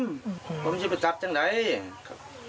ผมเป็นที่ไปทับเงี่ยไหน